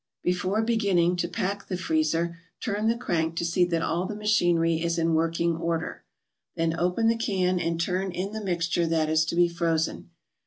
Before beginning to pack the freezer, turn the crank to see that all the machinery is in working order. Then open the can and turn in the mixture that is to be frozen.